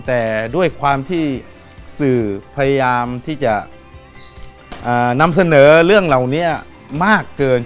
แต่ด้วยความที่สื่อพยายามที่จะนำเสนอเรื่องเหล่านี้มากเกิน